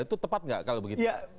itu tepat nggak kalau begitu